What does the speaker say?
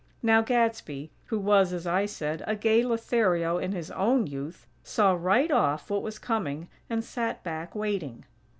Now Gadsby, who was, as I said, a gay Lothario in his own youth, saw right off what was coming, and sat back, waiting.